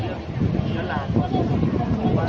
ที่ช่วยเหลือได้